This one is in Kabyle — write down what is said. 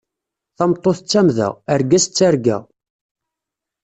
Tameṭṭut d tamda, argaz d targa.